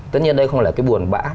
tất nhiên đây không phải là cái buồn bã